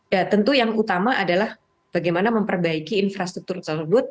ya tentu yang utama adalah bagaimana memperbaiki infrastruktur tersebut